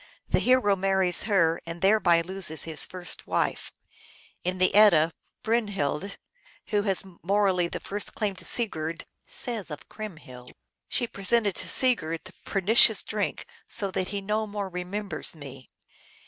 The hero marries her, and thereby loses his first wife. In the Edda, Brynhild, who has morally the first claim to Sigurd, says of Crymhild, " She presented to Sigurd the pernicious drink, so that he no more remembers me."